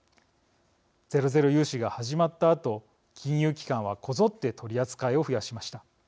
ゼロゼロ融資が始まったあと金融機関はこぞって取り扱いを増やしました。